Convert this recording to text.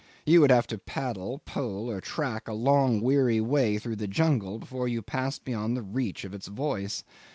You would have to paddle, pole, or track a long weary way through the jungle before you passed beyond the reach of its voice.